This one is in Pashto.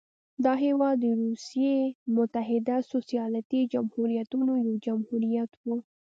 دا هېواد د روسیې متحده سوسیالیستي جمهوریتونو یو جمهوریت و.